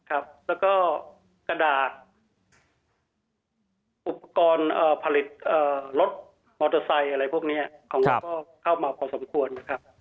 แล้วก็กระดาษอุปกรณ์ผลิตรถมอเตอร์ไซค์อะไรพวกนี้ของเราก็เข้ามาพอสมควรนะครับ